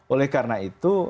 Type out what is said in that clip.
oleh karena itu